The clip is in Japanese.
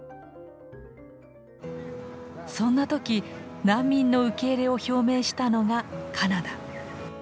そんな時難民の受け入れを表明したのがカナダ。